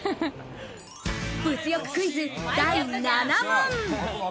物欲クイズ第７問。